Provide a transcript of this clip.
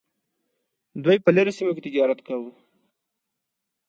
دوی په لرې سیمو کې تجارت کاوه.